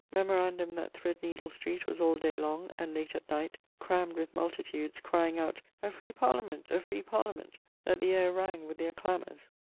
Memorandum that Thredneedle street was all day long, and late at night, crammed with multitudes, crying out A free Parliament, a free Parliament, that the aire rang with their clamours.